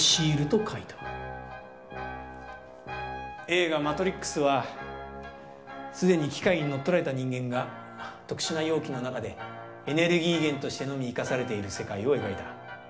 映画「マトリックス」は既に機械に乗っ取られた人間が特殊な容器の中でエネルギー源としてのみ生かされている世界を描いた。